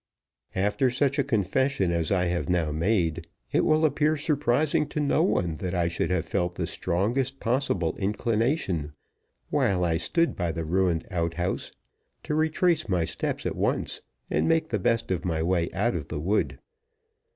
After such a confession as I have now made, it will appear surprising to no one that I should have felt the strongest possible inclination, while I stood by the ruined outhouse, to retrace my steps at once, and make the best of my way out of the wood.